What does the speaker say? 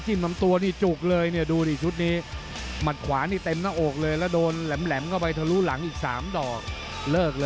มันรอไม่ไหวเหมือนกันนะพี่ป่านะโดนคิดใจน่ะเออเดี๋ยวดูภาพช้าดิ